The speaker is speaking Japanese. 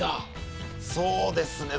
そうですね。